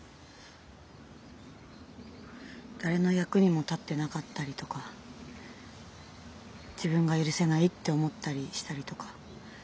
誰の役にも立ってなかったりとか自分が許せないって思ったりしたりとか。